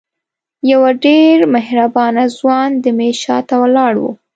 یو ډېر مهربانه ځوان د میز شاته ولاړ و.